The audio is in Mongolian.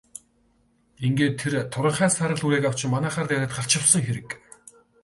Ингээд тэр туранхай саарал үрээг авч манайхаар дайраад гарч явсан хэрэг.